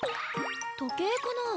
とけいかな？